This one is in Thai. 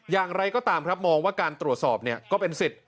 อย่างไรก็ตามครับมองว่าการตรวจสอบเนี่ยก็เป็นสิทธิ์